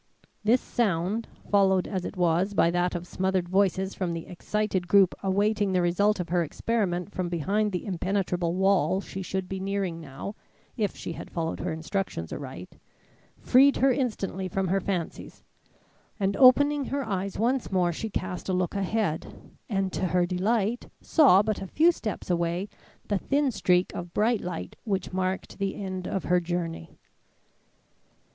This sound, followed as it was by that of smothered voices from the excited group awaiting the result of her experiment from behind the impenetrable wall she should be nearing now if she had followed her instructions aright, freed her instantly from her fancies; and opening her eyes once more, she cast a look ahead, and to her delight, saw but a few steps away, the thin streak of bright light which marked the end of her journey.